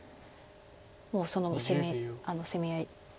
もうその攻め合いいくか。